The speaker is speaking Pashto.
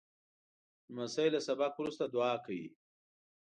لمسی له سبق وروسته دعا کوي.